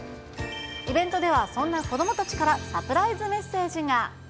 イベントではそんな子どもたちからサプライズメッセージが。